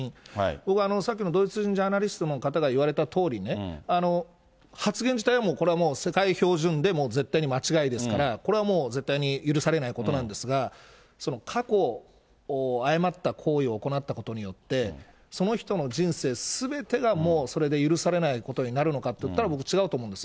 僕はさっきのドイツ人ジャーナリストの方が言われたとおりね、発言自体はもう、これは世界標準で絶対に間違いですから、これはもう絶対に許されないことなんですが、過去、誤った行為を行ったことによって、その人の人生すべてがもうそれで許されないことになるのかといったら、僕、違うと思うんです。